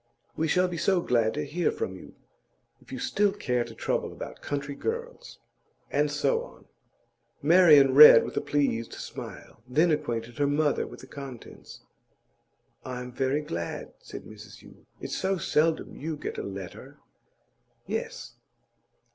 We shall be so glad to hear from you, if you still care to trouble about country girls.' And so on. Marian read with a pleased smile, then acquainted her mother with the contents. 'I am very glad,' said Mrs Yule; 'it's so seldom you get a letter.' 'Yes.